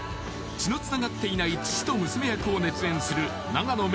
血のつながっていない父と娘役を熱演する永野芽